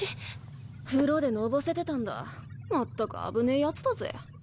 風呂でのぼせてたんだ全く危ねぇヤツだぜ。